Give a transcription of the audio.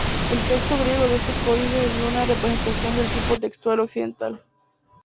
El texto griego de este códice es una representación del tipo textual occidental.